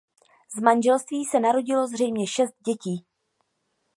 Z manželství se narodilo zřejmě šest dětí.